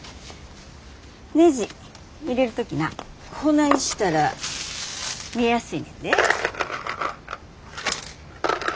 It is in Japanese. ねじ入れる時なこないしたら見えやすいねんで。